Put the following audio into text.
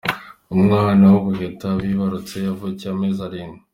Umwana w'ubuheta bibarutse, yavukiye amezi arindwi.